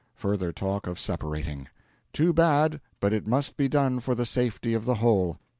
Further talk of separating. 'Too bad, but it must be done for the safety of the whole.'